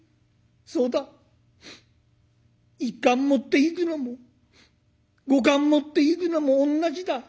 そうだ１貫持っていくのも５貫持っていくのもおんなじだ。